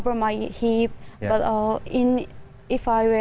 jadi saya tidak bisa menutupi kaki saya